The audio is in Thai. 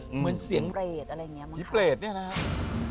เหมือนเสียงเปรตอะไรอย่างนี้มั้งค่ะ